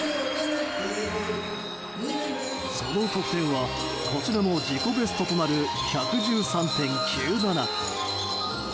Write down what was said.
その得点はこちらも自己ベストとなる１１３．９７。